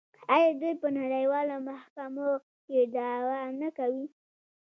آیا دوی په نړیوالو محکمو کې دعوا نه کوي؟